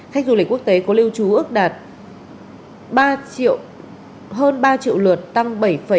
khách du lịch quốc tế có lưu trú ước đạt hơn ba triệu lượt tăng bảy bảy